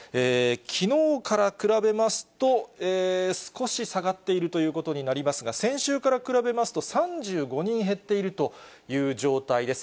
きのうから比べますと、少し下がっているということになりますが、先週から比べますと３５人減っているという状態です。